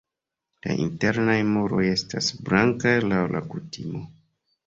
La internaj muroj estas blankaj laŭ la kutimo.